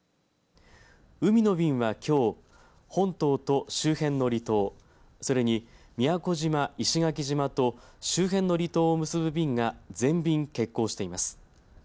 海の便は、きょう本島と周辺の離島それに宮古島、石垣島と周辺の離島を結ぶ便が全便欠航しています。